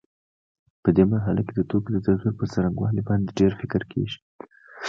په دې مرحله کې د توکو د تغییر پر څرنګوالي باندې ډېر فکر کېږي.